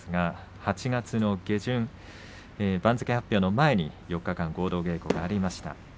８月の下旬番付発表前に、４日間合同稽古がありました。